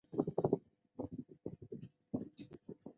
其殉道事迹被记载于圣经宗徒大事录第六及第七章。